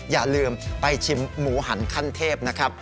อย่าลืมไปชิมหมูหันขั้นเทพนะครับ